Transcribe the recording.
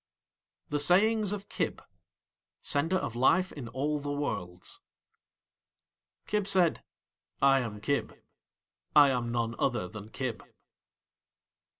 THE SAYINGS OF KIB (Sender of Life in all the Worlds) Kib said: "I am Kib. I am none other than Kib."